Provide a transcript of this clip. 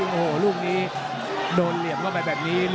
โอ้โหลูกนี้โดนเหลี่ยมเข้าไปแบบนี้